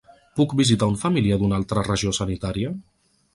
Puc visitar un familiar d’una altra regió sanitària?